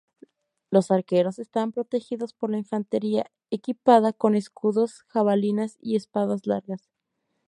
Los arqueros estaban protegidos por la infantería, equipada con escudos, jabalinas y espadas largas.